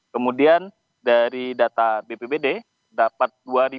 kemudian dari data bpbd dapat dua sembilan ratus tujuh puluh tujuh